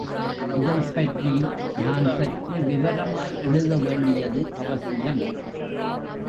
இதைப்பற்றி நான் சற்று விவரமாய் எழுத வேண்டியது அவசியம்.